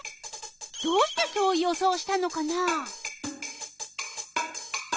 どうしてそう予想したのかな？